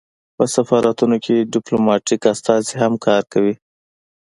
په سفارتونو کې ډیپلوماتیک استازي هم کار کوي